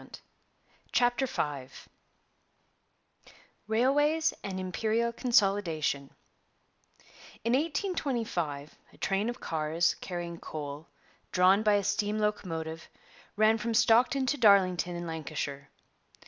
600. CHAPTER V RAILWAYS AND IMPERIAL CONSOLIDATION In 1825 a train of cars, carrying coal, drawn by a steam locomotive, ran from Stockton to Darlington in Lancashire.